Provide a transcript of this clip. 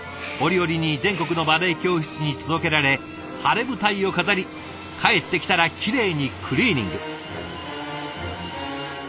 折々に全国のバレエ教室に届けられ晴れ舞台を飾り返ってきたらきれいにクリーニング。